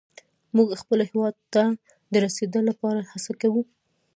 موږ خپلو هيلو ته د رسيدا لپاره هڅې کوو.